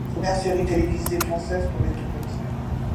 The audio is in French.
Première série télévisée française pour les tous petits.